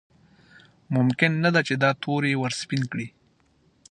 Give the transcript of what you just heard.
ممکن نه ده چې دا تور یې ورسپین کړي.